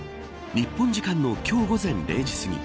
日本時間の今日午前０時すぎ